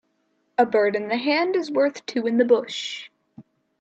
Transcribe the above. A bird in the hand is worth two in the bush.